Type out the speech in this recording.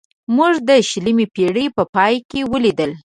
موږ د شلمې پېړۍ په پای کې ولیدل.